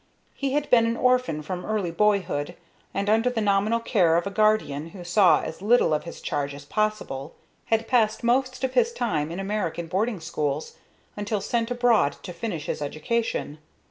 He had been an orphan from early boyhood, and, under the nominal care of a guardian who saw as little of his charge as possible, had passed most of his time in American boarding schools, until sent abroad to finish his education.